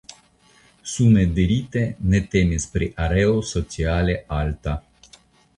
Sume dirite ne temis pri areo sociale alta.